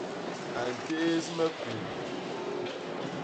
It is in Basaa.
A ntéés me kuu.